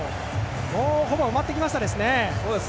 もう、ほぼ埋まってきましたね。